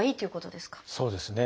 そうですね。